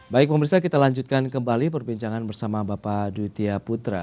baik pemirsa kita lanjutkan kembali perbincangan bersama bapak dutia putra